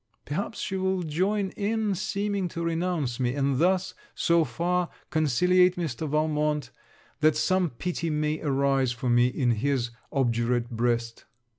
Perhaps she will join in seeming to renounce me, and thus so far conciliate Mr. Valmont, that some pity may arise for me in his obdurate breast.